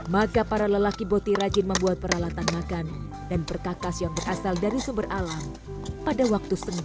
maka para lelaki boti rajin membuat peralatan makan dan perkakas yang berasal dari sumber alam pada waktu setempat